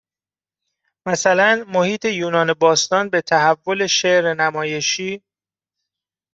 مثلاً محیط یونان باستان به تحول شعر نمایشی